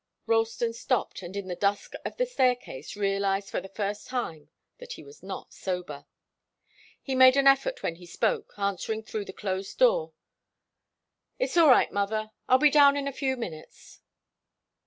Ralston stopped and in the dusk of the staircase realized for the first time that he was not sober. He made an effort when he spoke, answering through the closed door. "It's all right, mother; I'll be down in a few minutes."